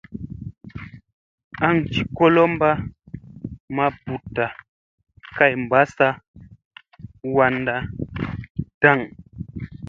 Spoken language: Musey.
An ci togolomma maa buuta kay mbassa waŋŋa daŋ.